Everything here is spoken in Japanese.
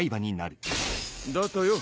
だとよ